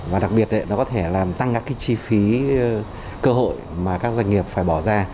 và đặc biệt nó có thể làm tăng các cái chi phí cơ hội mà các doanh nghiệp phải bỏ ra